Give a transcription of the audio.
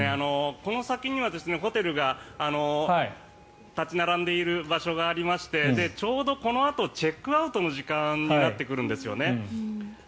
この先にはホテルが立ち並んでいる場所がありましてちょうどこのあとチェックアウトの時間になってくるんですよね。